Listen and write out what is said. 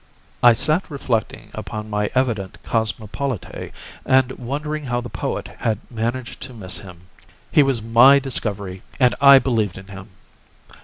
I sat reflecting upon my evident cosmopolite and wondering how the poet had managed to miss him. He was my discovery and I believed in him.